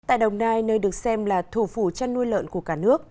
tại đồng nai nơi được xem là thủ phủ chăn nuôi lợn của cả nước